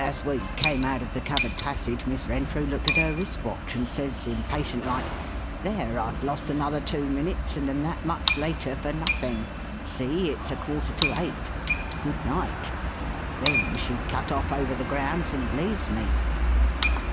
"As we came out of the covered passage Miss Renfrew looked at her wrist watch and says, impatient like, 'There, I've lost another two minutes and am that much later for nothing. See! It's a quarter to eight. Good night.' Then she cut off over the grounds and leaves me."